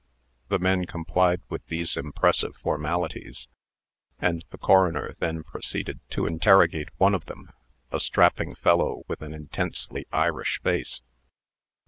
The men complied with these impressive formalities, and the coroner then proceeded to interrogate one of them a strapping fellow with an intensely Irish face.